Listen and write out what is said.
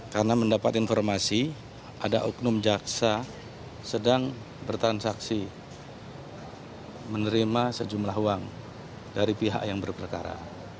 karena mendapat informasi ada oknum jaksa sedang bertransaksi menerima sejumlah uang dari pihak yang berperkara